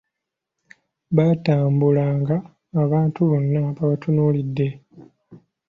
Baatambulanga abantu bonna babatunuulidde.